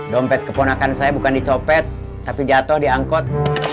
dompet keponakan saya bukan dicopet tapi jatuh diangkut